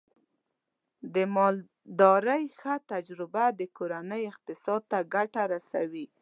د مالدارۍ ښه تجربه د کورنۍ اقتصاد ته ګټه رسوي.